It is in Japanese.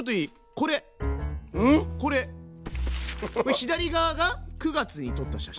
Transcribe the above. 左側が９月に撮った写真。